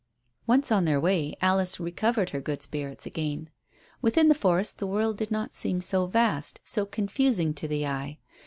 Once on their way Alice recovered her good spirits again. Within the forest the world did not seem so vast, so confusing to the eye.